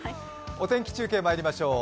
お天気中継まいりましょう。